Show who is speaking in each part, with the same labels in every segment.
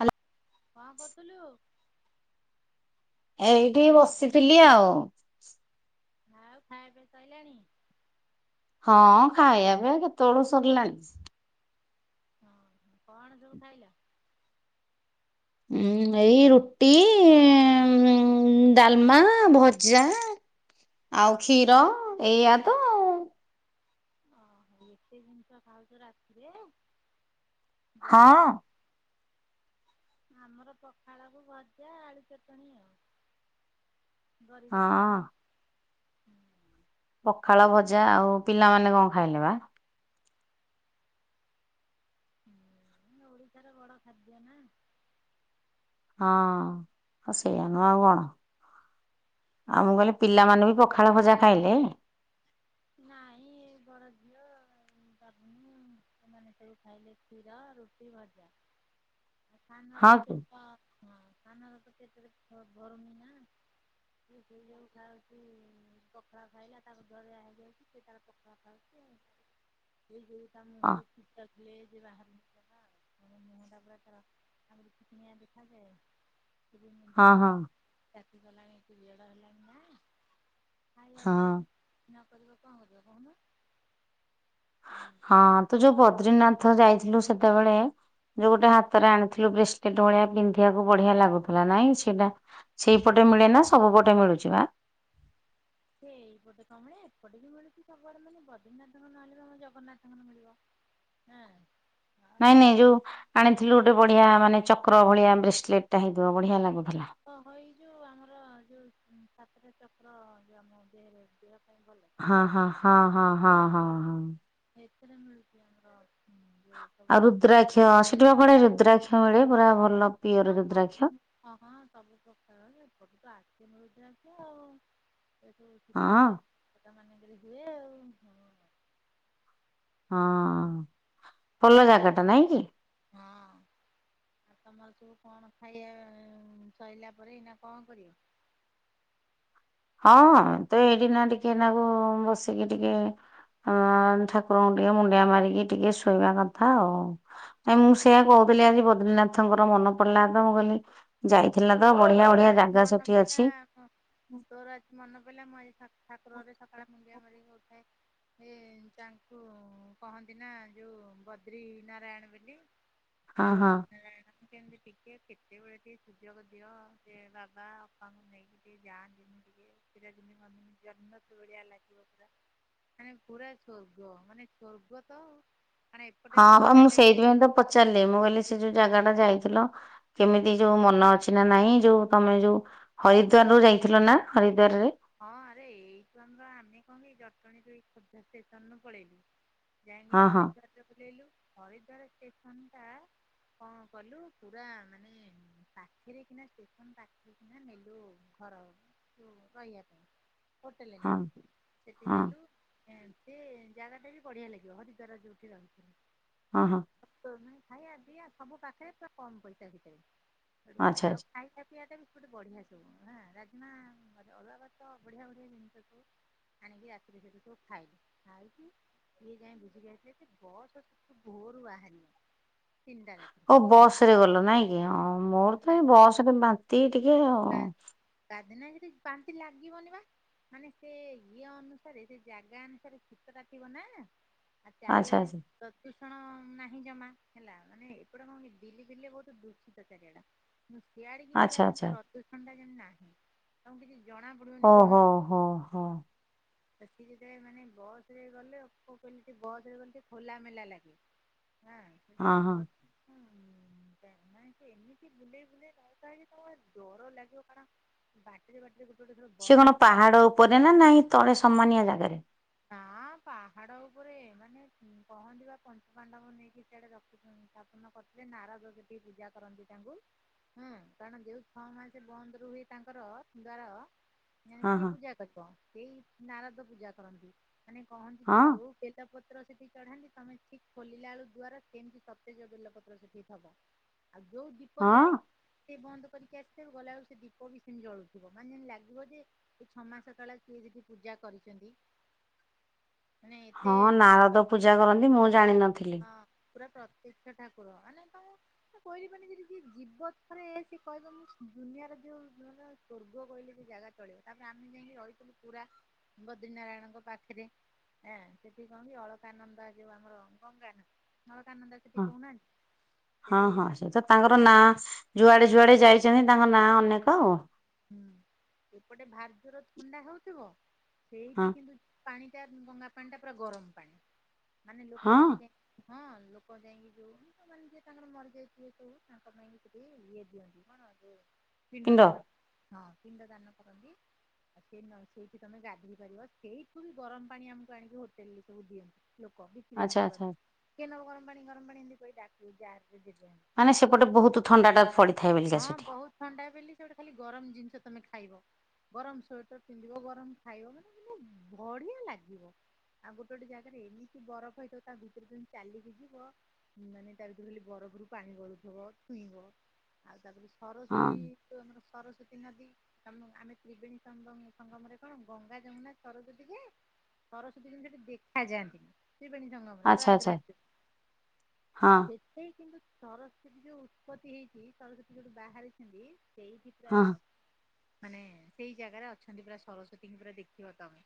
Speaker 1: Hello.
Speaker 2: କଣ କରୁଥିଲୁ?
Speaker 1: ଏଇଠି ବସିଥିଲି ଆଉ।
Speaker 2: ଆଉ ଖାଇବା ପିଇବା ସଇିଲାଣି?
Speaker 1: ହଁ ଖାଇବା ପିଇବା କେତେବେଳୁ ସରିଲାଣି।
Speaker 2: ହଁ କଣ ସବୁ ଖାଇଲ?
Speaker 1: ଉଁ ଏଇ ରୁଟି ଏନ୍। ଡାଲମା ଭଜା। ଆଉ କ୍ଷୀର ଏଇଆ ତ ଆଉ।
Speaker 2: ଓହୋ ଏତେ ଜିନିଷ ଖାଉଛ ରାତିରେ? ଯା
Speaker 1: ହଁ।
Speaker 2: ଆମର ପଖାଳକୁୁ ଭଜା ଆଳୁ ଚଟଣି ଆଉ। ଗରିବ
Speaker 1: ହଁ
Speaker 2: ଖାଦ୍ୟ।
Speaker 1: ପଖାଳ ଭଜା, ଆଉ ପିଲାମାନେ କଣ ଖାଇଲେ ବା?
Speaker 2: ହୁଁ ଓଡିଶାର ବଡ ଖାଦ୍ୟ ନା।
Speaker 1: ହଁ ହଁ ସେଇୟା ନୁହେଁ ଆଉ କଣ। ଆଉ ମୁଁ କଇଲି ପିଲାମାନେ ବି ପଖାଳ ଭଜା ଖାଇଲେ?
Speaker 2: ନାଇଁ ଏ ବଡ ଝିଅ। ବାବୁନୁ ସେମାନେ ସବୁ ଖାଇଲେ କ୍ଷୀର ରୁଟି ଭଜା। ସାନର
Speaker 1: ହଁ
Speaker 2: ତ
Speaker 1: କି
Speaker 2: ପେଟ ହଁ ସାନର ତ ପେଟରେ କିଛି ଧରୁନି ନା। ସିଏ ଯୋଉ ଯୋଉ ଖାଉଛି ପଖଳା ଖାଇଲା ତାକୁ ଜରୁଆ ହେ ସିଏ ତାର ପଖାଳ ଖାଉଚି ଆଉ ସେଇ ଯୋଗୁ ତା
Speaker 1: ହଁ
Speaker 2: ମୁହଁରୁ ଚିକ୍ ଗ୍ଲେଜ୍ ବାହାରୁଥିଲା ମାନେ ମୁହଁ ଟା ପୁରା ତାର ଆଗରୁ ଚିକିଣିଆ ଦେଖା ଯାଏ।
Speaker 1: ହଁ ହଁ।
Speaker 2: ତାତି ଗଲାଣି ପିରିଅଡ ହେଲାଣି ନାଇ ଖାଇବା
Speaker 1: ହଁ।
Speaker 2: ପିଇବା ନ। କରିବ କଣ କରିବ କହୁନ?
Speaker 1: ହଁ ତୁ ଯୋଉ ବଦ୍ରିନାଥ ଯାଇଥିଲୁ ସେତେବେଳେ। ଯୋଉ
Speaker 2: ହୁଁ
Speaker 1: ଗୋଟେ ହାତରେ ଆଣିଥିଲୁ ବ୍ରେସ୍ ଲେଟ୍ ଭଳିଆ ପିନ୍ଧିବାକୁ ବଢିଆ ଲାଗୁଥିଲା ନାଇଁ। ସେଇଟା ସେଇପଟେ ମିଳେ ନା ସବୁ ପଟେ ମିଳୁଛି ବା?
Speaker 2: ସେଇପଟେ କଣ ମିଳେ ଏପଟେ ବି ମିଳୁଛି ସବୁଆଡେ ମାନେ ବଦ୍ରନାଥଙ୍କ ନହେଲେବି ଆମ ଜଗନ୍ନାଥଙ୍କର ମିଳିବ। ହେଁ।
Speaker 1: ନାଇଁ ନାଇଁ ଯୋଉ ଆଣିଥିଲୁ ଗୋଟେ ବଢିଆ ମାନେ ଚକ୍ର ଭଳିଆ ବ୍ରେସଲେଟ ଟା ହେଇଥିବ ବଢିଆ ଲାଗୁ
Speaker 2: ଓ ହୋ ଏଇ ଯୋଉ ଆମର ଯୋଉ ସାତଟା ଚକ୍ର ଯୋଉ ଆମ ଦେହେରେ।
Speaker 1: ହଁ ହଁ ହଁ ହଁ ହଁ ହଁ ହଁ।
Speaker 2: ଏଥିରେ ମିଳୁଛି ଆମର ଉଁ, ଯୋଉ ସବୁ
Speaker 1: ଆଉ ରୁଦ୍ରାକ୍ଷ, ସେଠି ପା କୁଆଡେ ରୁଦ୍ରାକ୍ଷ ମିଳେ ପୁରା ଭଲ। ପିଓର
Speaker 2: ହଁଁ
Speaker 1: ରୁଦ୍ରାକ୍ଷ
Speaker 2: ସବୁ ହଁ ସବୁ ପ୍ରକାର ସେପଟୁ ତ ଆସେ ମୀ ମିଳୁଛି ଆଉ ଏଠୁ କିସ
Speaker 1: ହଁ
Speaker 2: ଏ ମାନେ। ହୁଏ ଆଉ, ହଁ।
Speaker 1: ହଁ ଭଲ ଜାଗା ଟା ନାଇଁ କି?
Speaker 2: ଆଉ ତମର ସବୁ କଣ ଖାଇବା ସଇଲା ପରେ ଏଇନା କଣ କରିବ?
Speaker 1: ହଁ ତ ଏଇକିନା ଟିକେନାକୁ ବସିକି ଟିକେ। ଅଁ ଠାକୁରଙ୍କୁ ଟିକେ ମୁଣ୍ଡିଆ ମାରିକି ଟିକେ ଶୋଇବା କଥା ଆଉ। ନାଇଁ ମୁଁ ସେଇଆ କହୁ। ମୁଁ କଇଲି ଆଜି ବଦ୍ରିନାଥଙ୍କର ମନ ପଡିଲା ତ ମୁଁ କଇଲି ଯାଇ ଥିଲା ତ ବଢିଆ
Speaker 2: ତୋର
Speaker 1: ବଢିଆ
Speaker 2: ଆଜି
Speaker 1: ଜାଗା
Speaker 2: ମନେ
Speaker 1: ସେଠି
Speaker 2: ପଇଲା
Speaker 1: ଅଛି।
Speaker 2: ତୋର ଆଜି ମନେ ପଡିଲା ମୁଁ ଆଜି ଠା ଠାକୁର ଘରେ ସକାଳେ ମୁଣ୍ଡିଆ ମାରି କହୁଥାଏ। ଏ ତାଙ୍କୁ କହନ୍ତି ନା ଯୋଉ ବଦ୍ରି ନାରାୟଣ ବେଲି। ଏ
Speaker 1: ହଁ ହଁ।
Speaker 2: ବଦ୍ରି ନାରାୟଣ କେମିତି ଟିକେ କେତେବେଳେ ଟିକେ ସୁଯୋଗ ଦି ଦିଅ ସେ ବାବା ଅପାଙ୍କୁ ନେଇକି ଟିକେ ଯାଆନ୍ତି ମୁ ଟିକେ ସେଟା ଯେମିତି କୁହନ୍ତି ଜନ୍ନତ ଭ ଭଳିଆ ଲାଗିବ ପୁରା ମାନେ ପୁରା ସ୍ୱର୍ଗ ମାନେ ସୋର୍ଗ ତ ଆଉ। ମାନେ ଏପଟେ
Speaker 1: ହଁ ବା
Speaker 2: ଥଣ୍ଡା
Speaker 1: ମୁଁ
Speaker 2: ଲାଗେ
Speaker 1: ସେଇଥିପାଇଁ ତ ପଚାରିଲି ମୁଁ କହିଲି ସେ ଯୋଉ ଜାଗା ଟା ଯାଇଥିଲ କେମିତି ଯୋଉ ମନ ଅଛି ନା ନାଇଁ ଯୋଉ ତମେ ଯୋଉ ହରିଦ୍ୱାର ଯାଇଥିଲ ନା ହରି
Speaker 2: ହଁ ଆରେ ଏଇଠୁ ଆମେ ବା ଆମେ କଣ କି ଜଟଣୀରୁୁ ଏଇ ଖୋର୍ଦ୍ଧା ଷ୍ଟେସନରୁୁ ପଳେଇଲୁ। ଯାଇକି
Speaker 1: ହଁ ହଁ
Speaker 2: ହରିଦ୍ୱାର ରେ ଓହ୍ଲେଇଲୁ। ହରିଦ୍ୱାର ଷ୍ଟେସନ ଟା କଣ କଲୁ ପୁରା ମାନେ ପାଖରେ କିନା ଷ୍ଟେସନ୍ ପାଖରେ କିନା ନେଲୁ ଘ ଯୋଉ ରହିବା ପାଇଁ। ହୋଟେଲ
Speaker 1: ହଁ
Speaker 2: ନେଲୁ ସେଠି
Speaker 1: ହଁ
Speaker 2: ନେଲୁ ଏମିତି ଜାଗା ଟା ବି ବଢିଆ ଲାଗିବ ହରିଦ୍ୱାର ଯୋଉଠି ରହୁଥିଲୁ।
Speaker 1: ହଁ ହଁ।
Speaker 2: ଖାଇବା ପିଇବା ସବୁ ପାଖରେ ପୁରା କମ ପଇସା ଭିତରେ। ହେଠୁ
Speaker 1: ଆଚ୍ଛା
Speaker 2: ଆଉ
Speaker 1: ଆଚ୍ଛା।
Speaker 2: ଖାଇ ଖିଆଟା ପି ସେପଟେ ବଢିଆ ସବୁ। ଆଁ ରାଜମା ଅରୁଆ ଭାତ ବଢିଆ ବଢିଆ ଜିନିଷ ସବୁ। ଆଣିକି ରାତିରେ କେବେ କେବେ ଖାଏ। ଖାଇକି ଇଏ ଯାଇକି ବୁଝି କି ଆସିଲେ ଯେ ବସ୍ ସେଠୁ ଭୋର୍ ରୁ ବାହାରିନି।
Speaker 1: ହଁ ବସ ରେ ଗଲ ନାଇଁ କି। ହଁ ମୋର ତ ଏ
Speaker 2: ଆମେ
Speaker 1: ବସରେ ବାନ୍ତି। [unintelligible]
Speaker 2: [unintelligible] ବାନ୍ତି ଲାଗିବନି ବା। ମାନେ ସେ ଇଏ ଅନୁସାରେ ସେ ଜାଗା ଅନୁସାରେ ଶୀତଟା ଥିବ ନା। ଆ
Speaker 1: ଆଚ୍ଛା
Speaker 2: ଚାରିଆଡେ।
Speaker 1: ଆଚ୍ଛା
Speaker 2: [unintelligible] ଷଣ ନାହିଁ ଜମା। ହେଲା ମାନେ ଏପଟେ କଣ ଦିଲ୍ଲୀ ଫିଲି ରେ ବହୁତ ଦୂଷିତ ଚାରିଆଡ। ସିଆଡେ ବି
Speaker 1: ଆଚ୍ଛା
Speaker 2: ପୁରା ମାନେ
Speaker 1: ଆଚ୍ଛା
Speaker 2: ପ୍ରଦୂଷଣ ଟା ଯେମିତି ନାହିଁ। ତମକୁ କିଛି ଜଣା ପଡିବନି
Speaker 1: ଓ ହୋ
Speaker 2: କୌଣସି
Speaker 1: ହଁ ହଁ।
Speaker 2: ସେଠି ଯେତେବେଳେ ମାନେ ବସ ରେ ଗଲେ କ କହିଲେ ବସ ରେ ଗଲେ ଟିକେ ଖୋଲା ମେଲା ଲାଗେ। ହଁ ସେ
Speaker 1: ହଁ
Speaker 2: ଯୋଉ।
Speaker 1: ହଁ
Speaker 2: [unintelligible] ହୁଁ ତ ନାଇଁ ସେ ଏମିତି ବୁଲେଇ ବୁଲେଇ ନଉଥାଏ ଯେ ତମ ଡର ଲାଗିବ। [unintelligible]
Speaker 1: ସେ
Speaker 2: ବରଫ
Speaker 1: କଣ ପାହାଡ ଉପରେ ନା ନାହିଁ ତଳେ ସମାନିଆ ଜାଗାରେ?
Speaker 2: ନା ପାହାଡ ଉପରେ ସେମାନେ କହନ୍ତି ବା ପଞ୍ଚୁ ପାଣ୍ଡବ ନେଇକି ସେଆଡେ ରଖି ସ୍ଥାପନ କରିଥିଲେ। ନାରଦ ସେଠି ପୂଜା କରନ୍ତି ତାଙ୍କୁ। ହୁଁ କାରଣ ଯୋଉ ଛଅ ମାସ ବନ୍ଦ ରୁହେ ତାଙ୍କର ଦ୍ଵାର
Speaker 1: ହଁ
Speaker 2: କିଏ
Speaker 1: ହଁ
Speaker 2: ପୂଜା କରିବ, ସେଇ ନାରଦ ପୂଜା କରନ୍ତି। ମାନେ କହନ୍ତି ଯେ
Speaker 1: ହଁ
Speaker 2: ଯୋଉ ବେଲପତ୍ର ସେଠି ଚଢାନ୍ତି ତମେ ଠିକ ଖୋଲିଲା ବେଳ ଦ୍ଵାରା ସେମିତି ସତେଜ ବେଲପତ୍ର ସେଠି ଥବ। ଆଉ ଯୋଉ ଦୀପ ଜାଳି
Speaker 1: ହଁ
Speaker 2: ସେ ବନ୍ଦ କରିକି ଆସିିଥିବ। ଗଲାବେକୁ ସେ ଦୀପ ବି ସେମିତି ଜଳୁଥିବ। ମାନେ ଯେମତି ଲାଗିବ ଯେ ଏଇ ଛଅ ମାସ ତଳେ କିଏ ଯେମିତି ପୂଜା କରିଛନ୍ତି। ମାନେ ଏତେ
Speaker 1: ହଁ ନାରଦ
Speaker 2: ଶକ୍ତି
Speaker 1: ପୂଜା କରନ୍ତି ମୁଁ ଜାଣିନଥିଲି।
Speaker 2: ହଁ ପୁରା ପ୍ରତ୍ୟକ୍ଷ ଠାକୁର। ମାନେ ତମକୁ କହିଲି ମାନେ ଯଦି ଯିଏ ଜିବ ଥରେ ସେ କହିବ ମୁଁ ଦୁନିଆର ଯୋଉ ମାନେ ସ୍ଵର୍ଗ କହିଲେ ବି ଜାଗା ଚଳିବ। ତାପରେ ଆମେ ଯାଇକି ରହିଥିଲୁ ପୁରା ବଦ୍ରି ନାରାୟଣଙ୍କ ପାଖରେ। ଆଁ ସେଠି କଣ କି ଅଳକାନନ୍ଦ ଯୋଉ ଆମର ଗଙ୍ଗାନଦୀ ଅଳକାନନ୍ଦ ସେଠି
Speaker 1: ହଁ
Speaker 2: କହୁନାହାନ୍ତି।
Speaker 1: ହଁ
Speaker 2: ସେଠି
Speaker 1: ହଁ
Speaker 2: ମାନେ
Speaker 1: ସେ ତ ତାଙ୍କର
Speaker 2: ଗୋଟେ
Speaker 1: ନାଁ ଯୁଆଡେ ଯୁଆଡେ ଯାଇଛନ୍ତି ତାଙ୍କ ନାଁ ଅନେକ।
Speaker 2: ହୁଁ ଏପଟେ ଭାରି ଜୋରେ ଥଣ୍ଡା ହଉଥିବ
Speaker 1: ହଁ
Speaker 2: ସେଇଠି କିନ୍ତୁ ପାଣି ଟା ଗଙ୍ଗା ପାଣି ଟା ପୁରା ଗରମ ପାଣି। ମାନେ ଲୋକ
Speaker 1: ହଁ
Speaker 2: ସେଠି କାଇଁ
Speaker 1: [inaudible]
Speaker 2: ଲୋକ ଯାଇକି ଯୋଉ ଯିଏ ତାଙ୍କର ମରିଯାଇଥିବେ ସବୁ ତାଙ୍କ ପାଇଁ କି ସେଠି ଇଏ ଦିଅନ୍ତି କଣ ପିଣ୍ଡ ଦାନ ହଁ ପିଣ୍ଡ ଦାନ କରନ୍ତି। ଆ ସେ ନ ସେଇଠି ତମେ ଗାଧୋଇ ପାରିବ ସେଇଠୁ ବି ଗରମ ପାଣି ଆମକୁ ଆଣିକି ହୋଟେଲ ରେ ସବୁ ଦିଅନ୍ତୁ। ଲୋକ ବିକିରି ଏମିତି
Speaker 1: ଆଚ୍ଛା ଆଚ୍ଛା
Speaker 2: କରନ୍ତି। କେ ନବ ଗରମ ପାଣି ଗରମ ପାଣି ଏମିତି କହି ଡାକି। [unintelligible]
Speaker 1: ମାନେ ସେପଟେ ବହୁତ ଥଣ୍ଡା ଟା ପଡି
Speaker 2: ହଁ ବହୁତ ଥଣ୍ଡା ବିଲି ସେପଟେ ଖାଲି ଗରମ ଜିନିଷ ତମେ ଖାଇବ। ଗରମ ସ୍ୱେଟର ପିନ୍ଧିବ, ଗରମ ଖାଇବ, ମାନେ ତମକୁ ବଢିଆ ଲାଗିବ। ଆଉ ଗୋଟେ ଗୋଟେ ଜାଗାରେ ଏମିତି ବରଫ ହେଇଥିବ ତା ଭିତରେ ତମେ ଚାଲିକି ଯିବ, ମାନେ ତା ଭିତରୁ ଖାଲି ବରଫ ଫରୁ ପାଣି ଗଳୁଥବ, ଛୁଇଁବ। ଆଉ ତାପରେ ସରସ୍ଵତୀ
Speaker 1: ହଁ
Speaker 2: ତ ଆମର ସରସ୍ଵତୀ ନଦୀ ତମ ଆମେ ତ୍ରିବେଣୀ ସଙ୍ଗମ ସଙ୍ଗମରେ କଣ ଗଙ୍ଗା, ଯମୁନା, ସରସ୍ଵତୀ ଯେ ସରସ୍ଵତୀ ଯେମତି ସେଠି ଦେଖାଯାଆନ୍ତିନି। ତ୍ରିବେଣୀ ସଙ୍ଗମରେ
Speaker 1: ଆଚ୍ଛା ଆଚ୍ଛା
Speaker 2: ପ୍ରୟାଗରାଜସେଠି,
Speaker 1: ହଁ
Speaker 2: ସେଠି କିନ୍ତୁ ସରସ୍ଵତୀ ଯୋଉ ଉତ୍ପତ୍ତି ହେଇଛି, ସରସ୍ଵତୀ ଯୋଉଠୁ ବାହାରିଛନ୍ତି ସେଇଠି
Speaker 1: ହଁ
Speaker 2: ପ୍ରାୟ ମାନେ ସେଇ ଜାଗାରେ ଅଛନ୍ତି ପୁରା ସରସ୍ଵତୀଙ୍କି ପୁରା ଦେଖିବା ତମେ।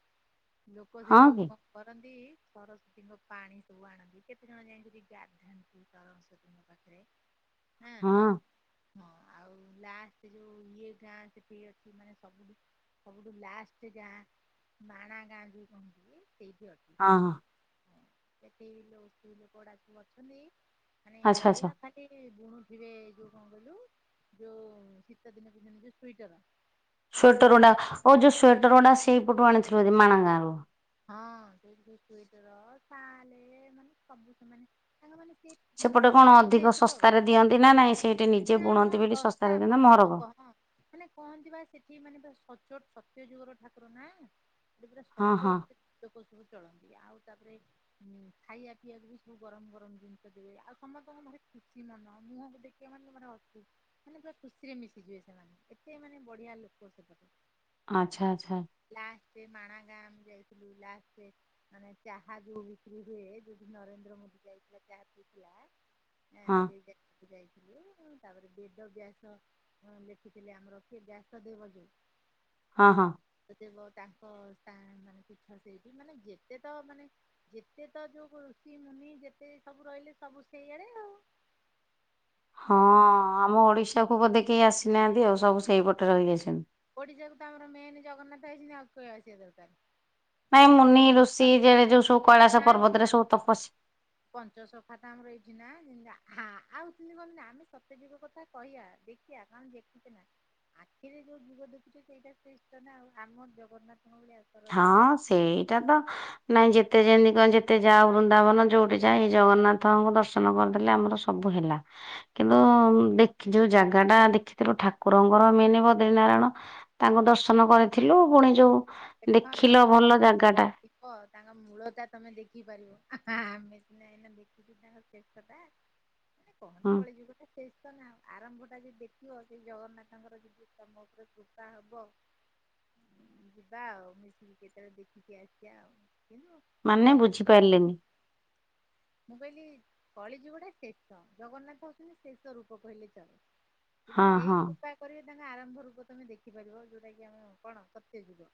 Speaker 2: ଲୋକ
Speaker 1: ହଁ
Speaker 2: ସେଇ ଯୋଉ
Speaker 1: କି
Speaker 2: କଣ କରନ୍ତି ସରସ୍ୱତୀଙ୍କ ପାଣି ସବୁ ଆଣନ୍ତି, କେତେ ଜଣ ଯାଇ ସିଟି ଗାଧାନ୍ତି ସରସ୍ଵତୀଙ୍କ ପାଖରେ ହୁଁ
Speaker 1: ହଁ
Speaker 2: ହୁଁ ହୁଁ। ଲାଷ୍ଟ ଯୋଉ ଇଏ ଗାଁ ସେଠି ଅଛି ମାନେ ସବୁଠୁ ସବଠୁ ଲାଷ୍ଟ ଗାଁ, ମାଣା ଗାଁ ଯୋଉ କହନ୍ତି ସେଇଠି ଅଛି।
Speaker 1: ହଁ
Speaker 2: ସେସବୁ
Speaker 1: ହଁ
Speaker 2: ହଁ ସେଠି ସ୍ତ୍ରୀ ଲୋକଗୁଡ଼ା ସବୁ ଅଛନ୍ତି ମାନେ
Speaker 1: ଆଚ୍ଛା ଆଚ୍ଛା
Speaker 2: ବଢିଆ ଖାଲି ବୁଣୁଥିବେ ଯୋଉ କଣ କହିଲୁ? ଯୋଉ ଶୀତ ଦିନକୁ ଯେମିତି ସୁଇଟର ହଁ
Speaker 1: ସ୍ଵେଟର ଗୁଡା। ଆଉ ଯୋଉ ସ୍ଵେଟର ଗୁଡା ସେଇପଟୁ ଆଣିଥିଲୁ ହାରି ମାଣା ଗାଁରୁ।
Speaker 2: ହଁ ସେଇଠି ସବୁ ସୁଇଟର, ସାଲେ ମାନେ ସବୁ ସେମାନେ ତାଙ୍କ ମାନେ ସେ
Speaker 1: ସେପଟେ କଣ
Speaker 2: ଚଳନ୍ତି
Speaker 1: ଅଧିକ
Speaker 2: ସେଇଥିରୁ ଆଉ
Speaker 1: ଶସ୍ତାରେ ଦିଅନ୍ତି ନା ନାଇଁ? ସେଇଠି ନିଜେ
Speaker 2: ନାଇଁ ହଁ
Speaker 1: ବୁଣନ୍ତି ବିଲି
Speaker 2: ଶସ୍ତା
Speaker 1: ଶସ୍ତାରେ ଦିଅନ୍ତି ନା
Speaker 2: ଭଲ
Speaker 1: ମହରଗ।
Speaker 2: ଲୋକ ହଁ ମାନେ କହନ୍ତି ବା ସେଠି ମାନେ ସଚ୍ଚୋଟ ସତ୍ୟ ଯୁଗର ଠାକୁର ନା? ପୁରା
Speaker 1: ହଁ ହଁ।
Speaker 2: ସଚୋଟ ଲୋକ ସବୁ ଚଳନ୍ତି। ଆଉ ତାପରେ ଉମ୍ ଖାଇବା ପିଇବାକୁ ବି ସବୁ ଗରମ ଗରମ ଜିନିଷ ଦେବେ, ଆଉ ସମସ୍ତଙ୍କ ମ ଭାରି ଖୁସି ମନ। ମୁହଁକୁ ଦେଖିବ ମାନେ ତମର ହସୁ, ମାନେ ପୁରା ଖୁସିରେ ମିଶିଯିବେ ସେମାନେ। ସେ ମାନେ ବଢିଆ ଲୋକ ସେପଟେ
Speaker 1: ଆଚ୍ଛା ଆଚ୍ଛା।
Speaker 2: ସେ ମାଣା ଗାଁ ମୁଁ ଯାଇ ଯୋଉ ଲାଷ୍ଟେ ମାନେ ଚାହା ଯୋଉ ବିକ୍ରି ହୁଏ, ଯୋଉ ଲଠି ନରେନ୍ଦ୍ର ମୋଦି ଯାଇଥିଲା ଚାହା ପିଇଥିଲା ହଁ ସେଇ ଜାଗାକୁ ଯାଇ ଯୋଉ, ତାପରେ ବେଦ ବ୍ୟାସ ଲେଖିଥିଲେ ଆମର କିଏ ବ୍ୟାସ ଦେବ ଯୋଉ
Speaker 1: ହଁ ହଁ।
Speaker 2: ଥିବ ତାଙ୍କ ତା ମାନେ କି ସେଇଠି ମାନେ ଯେତେ ତ ମାନେ ଯେତେ ତ ଯୋଉ ଋଷି, ମୁନି ଯେତେ ସବୁ ରହିଲେ ସବୁ ସେଇଆଡେ ଆଉ।
Speaker 1: ପଟକୁ ବୋଧେ କେହି ଆସିନାହାଁନ୍ତି ଆଉ, ସବୁ ସେଇପଟେ ରହିିଯାଇଛନ୍ତି।
Speaker 2: ଓଡିଶାକୁ ତ ଆମର ମେନ୍ ଜଗନ୍ନାଥ ଆଇଛନ୍ତି ଆଉ କିଏ ଆସିଆ ଦରକାର।
Speaker 1: ନାଇଁ
Speaker 2: ଓଡିଶା
Speaker 1: ମୁନି ଋଷି ଯେ ଯୋଉ ସବୁ କୈଳାସ ପର୍ବତରେ ସବୁ
Speaker 2: ନାହାନ୍ତି
Speaker 1: ତପସ୍ୟା
Speaker 2: ପଞ୍ଚସଖା ତ ଆମର ଏଇଠି ନା [unintelligible] ଯେନ୍ତି କହନ୍ତିନି ଆମେ ସତ୍ୟ ଯୁଗ କଥା କହିଆ, ଦେଖିଆ କାରଣ ଦେଖିଛେ ନା। ଆଖିରେ ଯୋଉ ଯୁଗ ଦେଖୁଛେ ସେଇଟା ଶ୍ରେଷ୍ଠ ନା ଆଉ। ଆମ ଜଗନ୍ନାଥ
Speaker 1: ହଁ ସେଇଟା ତ ନାଇଁ ଯେତେ ଯେମତି କଣ ଯେତେ ଯାଅ ବୃନ୍ଦାବନ ଯୋଉଠି ଯାଇଁ ଜଗନ୍ନାଥଙ୍କୁ ଦର୍ଶନ କରିଦେଲେ ଆମର ସବୁ ହେଲା। କିନ୍ତୁ ଯୋଉ ଜାଗାଟା ଦେଖିଥିଲୁ ଠାକୁରଙ୍କର ମେନ ବଦ୍ରି ନାରାୟଣ ତାଙ୍କୁ ଦର୍ଶନ କରିଥିଲୁ ପୁଣି ଯୋଉ
Speaker 2: ଦେଖ
Speaker 1: ଦେଖିଲ ଭଲ
Speaker 2: ଜଗନ୍ନାଥଙ୍କର
Speaker 1: ଜାଗା ଟା
Speaker 2: ଯଦି ଥିବ ତାଙ୍କ ମୂଳତା ତମେ ଦେଖିପାରିବ। ନାଁ।
Speaker 1: ହୁଁ
Speaker 2: ଆରମ୍ଭ ଟା ଯଦି ଦେଖିବ ସେ ଜଗନ୍ନାଥଙ୍କର ଯଦି ତମ ଉପରେ କୃପା ହବ। ଯିବା ଆଉ ମିଶିକି କେତେବେଳେ ଦେଖିକି ଆସିବା ଆଉ।
Speaker 1: ମାନେ
Speaker 2: ଗଲେ ତୁ କହିବୁନି
Speaker 1: ବୁଝିପାରିଲେନି
Speaker 2: ମୁଁ କହିଲି। କଳି ଯୁଗଟା ଶେଷ ଜଗନ୍ନାଥ ହଉଛନ୍ତି ଶେଷ ରୂପ କହିଲେ ଚଳେ। ଯଦି
Speaker 1: ହଁ
Speaker 2: ସେଇ
Speaker 1: ହଁ
Speaker 2: କୃପା କରିବେ ତାଙ୍କ ଆରମ୍ଭ ରୂପ ତମେ ଦେଖିପାରିବ ଯୋଉଟା କି ଆମେ କଣ ସତ୍ୟ ଯୁଗ।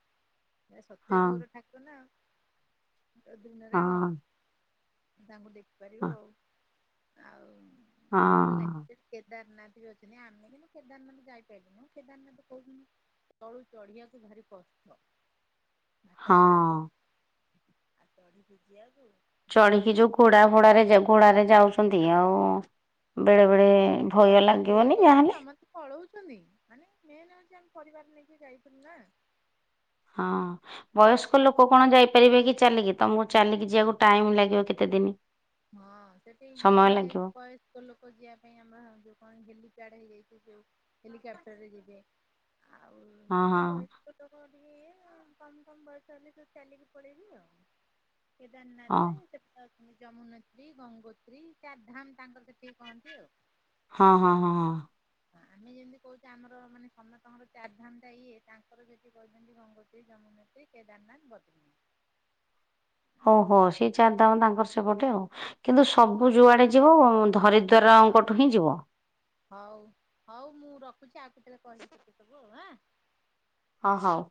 Speaker 2: ଇଏ ସତ୍ୟ
Speaker 1: ହଁ
Speaker 2: ଯୁଗର ଠାକୁର ନାଉ। ଦିନାରାୟଣ
Speaker 1: ହଁ
Speaker 2: ତାଙ୍କୁ
Speaker 1: ହଁ
Speaker 2: ଦେଖିପାରିବ ଆଉ ଆଉ। ଭଲ ଲାଗେ
Speaker 1: ହଁ
Speaker 2: କେ କେ କେଦାରନାଥ ବି ଅଛନ୍ତି ଆମେ କିନ୍ତୁ କେଦାରନାଥ ଯାଇପାଇଲୁନି କେଦାରନାଥ କହୁଛନ୍ତି। ତଳୁ ଚଢିବାକୁୁ ଭାରି କଷ୍ଟ। ଭାତ ସାରା
Speaker 1: ହଁ
Speaker 2: [inaudible] ଭାରି
Speaker 1: ଚଢିକି ଯୋଉ ଘୋଡା ଫୋଡାରେ ଘୋଡାରେ ଯାଉଛନ୍ତି ଆଉ। ବେଳେ ବେଳେ ଭୟ ଲାଗିବନି
Speaker 2: ଲୋକ ଏବେ
Speaker 1: ଯାହାହେଲେ
Speaker 2: ସମସ୍ତେ ପଳଉଛନ୍ତି। ପରିବାର ନେଇକି ଯାଇଛନ୍ତି ନା।
Speaker 1: ହଁ
Speaker 2: କମ୍
Speaker 1: ବୟସ୍କ
Speaker 2: କମ୍
Speaker 1: ଲୋକ
Speaker 2: କରି
Speaker 1: କଣ ଯାଇପାରିବେ କି ଚାଲିକି। ତମକୁ ଚାଲିକି ଯିବାକୁ ଟାଇମ ଲାଗିବ କେତେ ଦିନ।
Speaker 2: ହଁ ସେଠି ଇଏ
Speaker 1: ସମୟ ଲାଗିବ
Speaker 2: ହେଇଯାଇଛି ବୟସ୍କ ଲୋକ ଯିବା ପାଇଁ ଆମର ଯୋଉ କଣ କେମିତି। ଡ ହେଇଯାଇଛି ଯଉ ହେଲିକପ୍ଟର ରେ ଯିବେ। ଆଉ
Speaker 1: ହଁ
Speaker 2: ଏ
Speaker 1: ହଁ।
Speaker 2: ବୟସ୍କ ଲୋକ ଇଏ କମ କମ ବର୍ଷା ହେଲେ ସୁ ଚାଲିକି ପଳେଇବି ଆଉ।
Speaker 1: ହଁ
Speaker 2: କେଦାରନାଥେ ସେ ଯମୁନୋତ୍ରୀ ଗଙ୍ଗୋତ୍ରୀ ଚାରଧାମ ତାଙ୍କର ସେଠିକି କହନ୍ତି ଆଉ।
Speaker 1: ହଁ ହଁ ହଁ ହଁ।
Speaker 2: ଆମେ ଯେମିତି କହୁଛେ ଆମର ମାନେ ସମସ୍ତଙ୍କର ଚାରିଧାମ ଇଏ ତାଙ୍କର ଯଠି କହିଛନ୍ତି ଗଙ୍ଗୋତ୍ରୀ ଜନ୍ ନେତ୍ରୀ କେଦାରନାଥ ବଡ୍ରି
Speaker 1: ଓହୋ ସେଇ ଚାରି ଦାମ ତାଙ୍କର ସେପଟେ ଆଉ। କିନ୍ତୁ ସବୁ
Speaker 2: ଏଇଟା
Speaker 1: ଯୁଆଡେ ଯିବ
Speaker 2: ତ
Speaker 1: ଧରିଦରାଙ୍କଠୁ ହିଁ ଯିବ।
Speaker 2: ହଉ ହଉ ମୁଁ ରଖୁଛି ଆଉ କେତେବେଳେ କରିବି ଏଁ।
Speaker 1: ହଁ ହଉ।